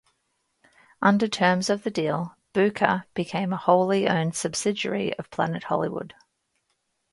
Under terms of the deal, Buca became a wholly owned subsidiary of Planet Hollywood.